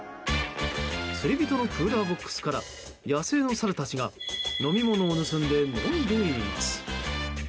釣り人のクーラーボックスから野生のサルたちが飲み物を盗んで飲んでいます。